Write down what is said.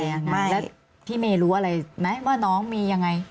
ยังไงแล้วพี่เมย์รู้อะไรไหมว่าน้องมียังไง